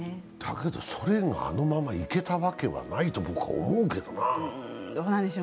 だけど、ソ連があのままいけたわけはないと僕は思うけどな。